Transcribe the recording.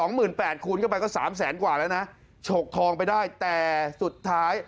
๒หมื่น๘คูณก็ไปก็๓แสนกว่าแล้วนะชกทองไปได้แต่สุดท้าย